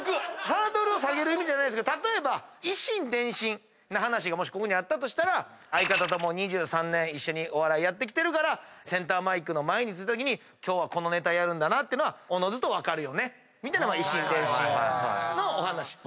ハードルを下げる意味じゃないですけど例えば以心伝心な話がもしここにあったとしたら相方と２３年一緒にお笑いやってきてるからセンターマイクの前に着いたときこのネタやるんだなってのはおのずと分かるよねみたいのが以心伝心のお話。